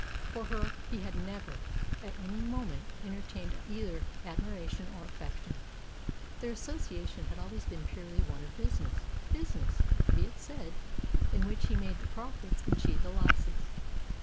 For her he had never, at any moment, entertained either admiration or affection. Their association had always been purely one of business business, be it said, in which he made the profits and she the losses.